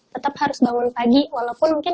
tetap harus bangun pagi walaupun mungkin